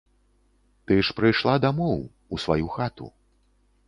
Ты ж прыйшла дамоў, у сваю хату.